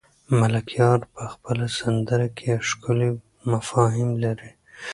ملکیار په خپله سندره کې ښکلي مفاهیم لري.